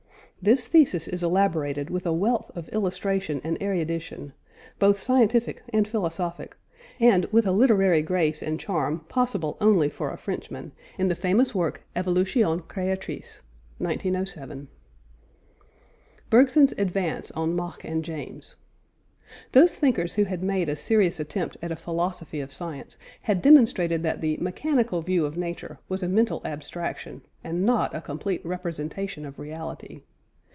This thesis is elaborated with a wealth of illustration and erudition, both scientific and philosophic, and with a literary grace and charm possible only for a Frenchman, in the famous work Évolution Créatrice (1907). BERGSON'S ADVANCE ON MACH AND JAMES. Those thinkers who had made a serious attempt at a philosophy of science, had demonstrated that the "mechanical view" of nature was a mental abstraction, and not a complete representation of reality.